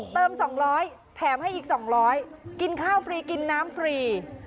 เติมสองร้อยแถมให้อีกสองร้อยกินข้าวฟรีกินน้ำฟรี